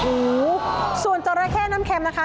โอ้โหส่วนจราเข้น้ำเข็มนะคะ